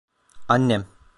Annem...